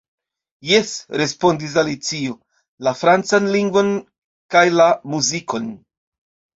"Jes," respondis Alicio, "la francan lingvon kaj la muzikon."